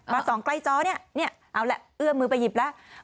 ส่องใกล้จอเนี่ยเอาละเอื้อมมือไปหยิบแล้ว